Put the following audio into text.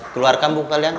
keluarkan buku kalian